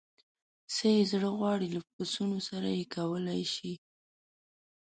څه یې زړه غواړي له پسونو سره یې کولای شي.